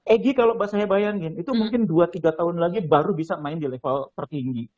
egy kalau mbak saya bayangin itu mungkin dua tiga tahun lagi baru bisa main di level tertinggi